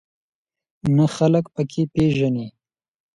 نه خلک په کې پېژنې.